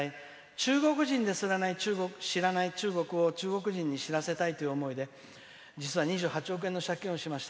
中国人ですら知らない中国を中国人に知らせたいという思いで実は２８億円の借金をしました。